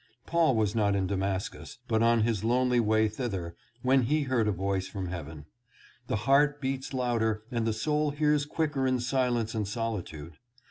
Paul was not in Damascus, but on his lonely way thither, when he heard a voice from heaven. The heart beats louder and the soul hears quicker in silence and solitude.